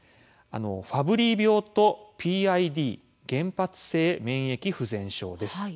ファブリー病とＰＩＤ＝原発性免疫不全症です。